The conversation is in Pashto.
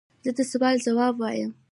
زه د سوال ځواب وایم.